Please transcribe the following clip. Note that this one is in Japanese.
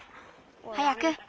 早く。